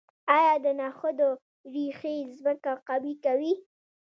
آیا د نخودو ریښې ځمکه قوي کوي؟